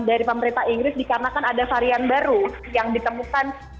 dari pemerintah inggris dikarenakan ada varian baru yang ditemukan